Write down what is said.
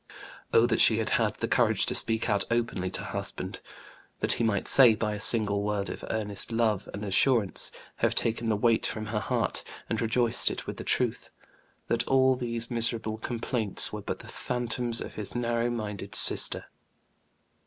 Oh, that she had had the courage to speak out openly to her husband, that he might, by a single word of earnest love and assurance, have taken the weight from her heart, and rejoiced it with the truth that all these miserable complaints were but the phantoms of his narrow minded sister!